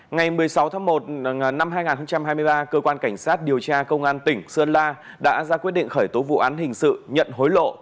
ngày một mươi sáu tháng một năm hai nghìn hai mươi ba cơ quan cảnh sát điều tra công an tỉnh sơn la đã ra quyết định khởi tố vụ án hình sự nhận hối lộ